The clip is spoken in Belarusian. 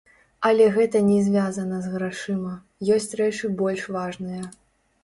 Але гэта не звязана з грашыма, ёсць рэчы больш важныя.